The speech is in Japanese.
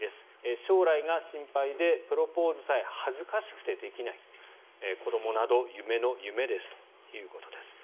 将来が心配でプロポーズさえ恥ずかしくてできない子どもなど夢の夢ですということです。